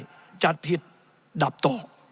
ถ้าจัดผิดดับต่อ